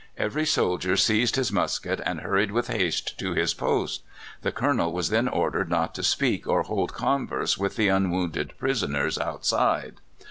Every soldier seized his musket and hurried with haste to his post. The Colonel was then ordered not to speak or hold converse with the unwounded prisoners outside.